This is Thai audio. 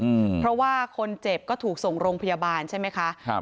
อืมเพราะว่าคนเจ็บก็ถูกส่งโรงพยาบาลใช่ไหมคะครับ